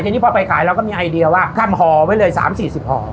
ทีนี้พอไปขายเราก็มีไอเดียว่าทำห่อไว้เลย๓๔๐ห่อ